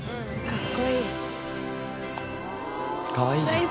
かわいいじゃん。